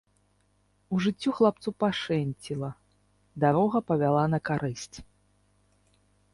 У жыцці хлапцу пашэнціла, дарога павяла на карысць.